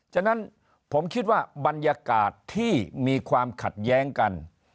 ฉะนั้นผมคิดว่าบรรยากาศที่มีความขัดแย้งกัน